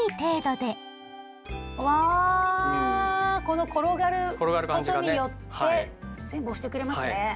うわこの転がることによって全部押してくれますね。